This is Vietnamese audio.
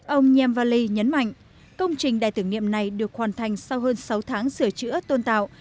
ông nhemvaley nhấn mạnh công trình đài tưởng niệm này được hoàn thành sau hơn sáu tháng sửa chữa tôn tạo